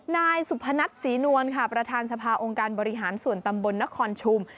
นายสุพนัทศรีนวลค่ะประธานสภาองค์การบริหารส่วนตำบลนครชุม